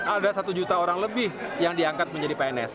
ada satu juta orang lebih yang diangkat menjadi pns